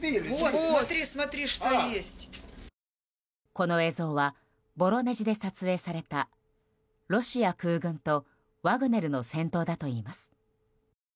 この映像は、ボロネジで撮影されたロシア空軍とワグネルの戦闘だといいます。